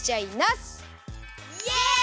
イエイ！